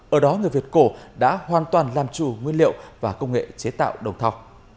ở đó người việt cổ đã hoàn toàn làm chủ nguyên liệu và công nghệ chế tạo đồng thọc